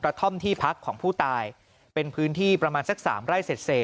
ท่อมที่พักของผู้ตายเป็นพื้นที่ประมาณสัก๓ไร่เสร็จ